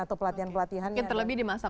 atau pelatihan pelatihan mungkin terlebih di masa